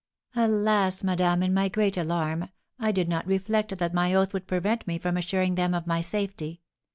"Alas, madame, in my great alarm, I did not reflect that my oath would prevent me from assuring them of my safety.